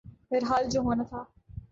بہرحال جو ہونا تھا۔